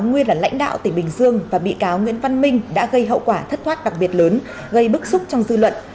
nguyên là lãnh đạo tỉnh bình dương và bị cáo nguyễn văn minh đã gây hậu quả thất thoát đặc biệt lớn gây bức xúc trong dư luận